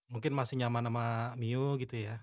mungkin masih nyaman sama miyu gitu ya